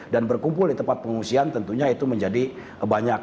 dan berkumpul di tempat pengungsian tentunya itu menjadi banyak